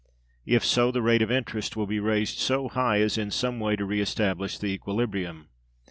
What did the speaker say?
If so, the rate of interest will be raised so high as in some way to re establish the equilibrium.